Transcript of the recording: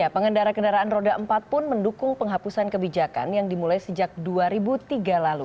pengendara kendaraan roda empat pun mendukung penghapusan kebijakan yang dimulai sejak dua ribu tiga lalu